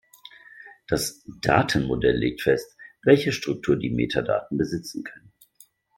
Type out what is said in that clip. Das "Datenmodell" legt fest, welche Struktur die Metadaten besitzen können.